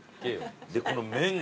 でこの麺が。